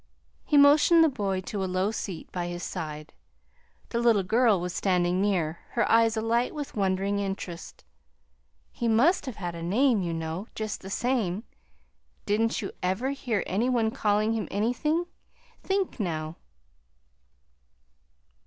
He had motioned the boy to a low seat by his side. The little girl was standing near, her eyes alight with wondering interest. "He must have had a name, you know, just the same. Didn't you ever hear any one call him anything? Think, now."